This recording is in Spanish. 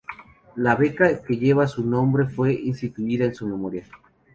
La beca que lleva su nombre fue instituida en su memoria.